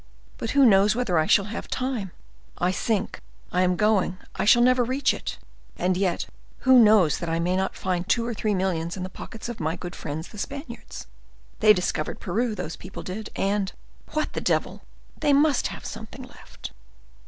But who knows whether I shall have time? I sink, I am going, I shall never reach it! And yet, who knows that I may not find two or three millions in the pockets of my good friends the Spaniards? They discovered Peru, those people did, and—what the devil! they must have something left."